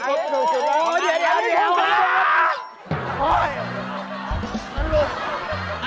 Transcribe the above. ขนาดถูกตัว